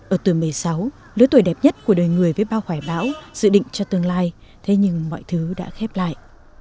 ở tuổi một mươi sáu lứa tuổi đẹp nhất của đời người với bao khỏe bão dự định cho tương lai thế nhưng mọi thứ đã khép lại